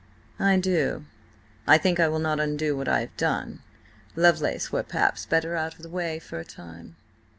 "I do. I think I will not undo what I have done; Lovelace were perhaps better out of the way for a time."